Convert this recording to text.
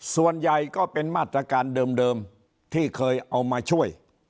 ส่วนใหญ่ก็เป็นมาตรการเดิมที่เคยเอามาช่วย